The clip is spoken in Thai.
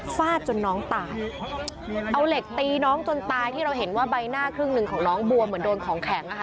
ฟาดจนน้องตายเอาเหล็กตีน้องจนตายที่เราเห็นว่าใบหน้าครึ่งหนึ่งของน้องบัวเหมือนโดนของแข็งอ่ะค่ะ